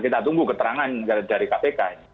kita tunggu keterangan dari kpk